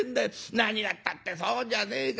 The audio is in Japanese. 何がったってそうじゃねえか。